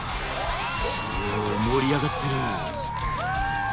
お盛り上がってる。